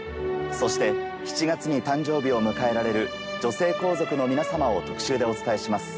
そして７月に誕生日を迎えられる女性皇族の皆さまを特集でお伝えします。